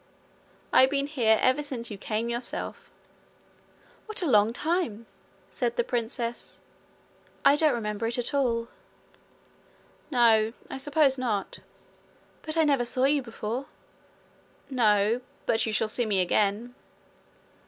'I've been here ever since you came yourself.' 'What a long time!' said the princess. 'I don't remember it at all.' 'No. I suppose not.' 'But I never saw you before.' 'No. But you shall see me again.'